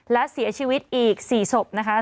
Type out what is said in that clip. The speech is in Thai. และเสียชีวิตอีก๔ศพนะคะ